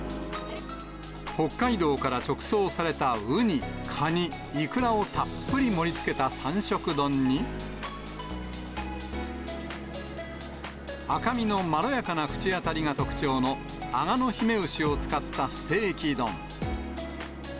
北海道から直送されたウニ、カニ、イクラをたっぷり盛りつけた三色丼に、赤身のまろやかな口当たりが特徴の、あがの姫牛を使ったステーキ丼。